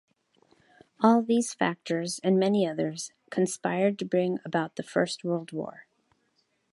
All these factors, and many others, conspired to bring about the First World War.